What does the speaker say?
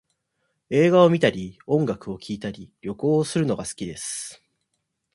映画を観たり音楽を聴いたり、旅行をするのが好きです